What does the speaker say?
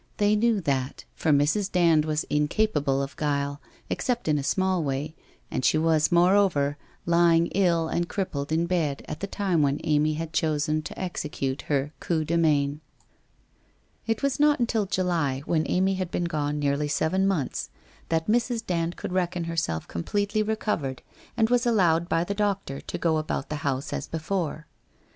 They knew that, for Mrs. Dand was incapable of guile, except in a small way, and she was, moreover, lying ill and crip pled in bed at the time when Amy had chosen to execute her coup de main. It was not until July, when Amy had been gone nearly seven months, that Mrs. Dand could reckon herself com pletely recovered and was allowed by the doctor to go about the house as before.